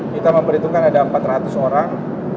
kita memperhitungkan ada empat ratus orang